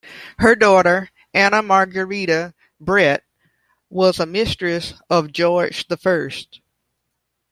Her daughter, Anna Margaretta Brett, was a mistress of George the First.